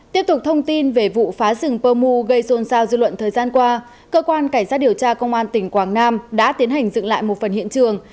tiếp tục thông tin về vụ phá rừng pơ mu gây xôn xao dư luận thời gian qua cơ quan cảnh sát điều tra công an tỉnh quảng nam đã tiến hành dựng lại một phần hiện trường